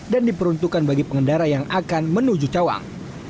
dan diperuntukkan bagi pengendara yang akan menuju cawang